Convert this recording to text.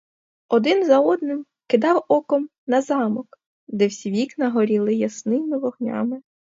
Один за одним кидав оком на замок, де всі вікна горіли ясними вогнями.